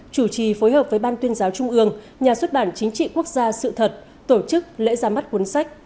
chủ trì phối hợp với ban tuyên giáo trung ương nhà xuất bản chính trị quốc gia sự thật tổ chức lễ ra mắt cuốn sách